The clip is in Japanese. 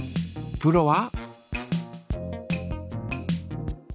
プロは？